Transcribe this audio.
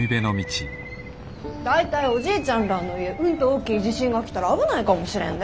大体おじいちゃんらぁの言ううんと大きい地震が来たら危ないかもしれんで。